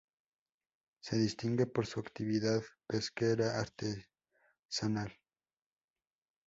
Se distingue por su actividad pesquera artesanal.